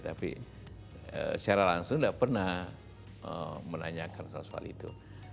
tapi secara langsung tidak pernah menanyakan soal soal itu